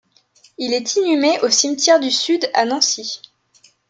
Il est inhumé au Cimetière du Sud à Nancy.